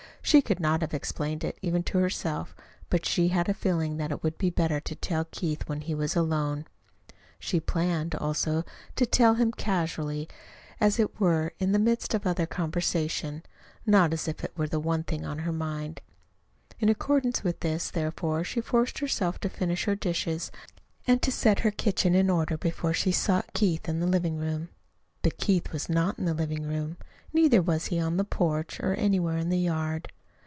She could not have explained it even to herself, but she had a feeling that it would be better to tell Keith when he was alone. She planned, also, to tell him casually, as it were, in the midst of other conversation not as if it were the one thing on her mind. In accordance with this, therefore, she forced herself to finish her dishes and to set her kitchen in order before she sought Keith in the living room. But Keith was not in the living room; neither was he on the porch or anywhere in the yard.